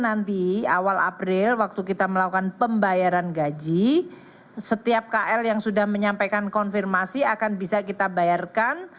nanti awal april waktu kita melakukan pembayaran gaji setiap kl yang sudah menyampaikan konfirmasi akan bisa kita bayarkan